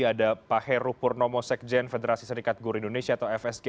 ada pak heru purnomo sekjen federasi serikat guru indonesia atau fsg